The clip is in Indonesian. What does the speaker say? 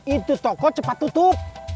itu toko cepat tutup